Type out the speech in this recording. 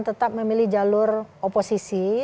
tetap memilih jalur oposisi